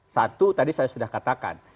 satu tadi saya sudah katakan